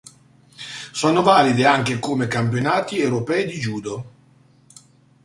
Sono valide anche come Campionati europei di judo.